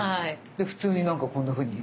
で普通になんかこんなふうに。